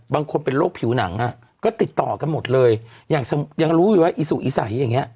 บางคนเป็นโรคผิวหนังอ่ะก็ติดต่อกันหมดเลยอย่างยังรู้อยู่ว่าอีสุอีใสอย่างเงี้